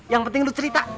yang penting lu cerita